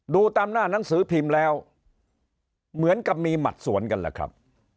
ดูตามหน้านังสือพิมพ์แล้วเหมือนกับมีหมัดสวนกันแหละครับ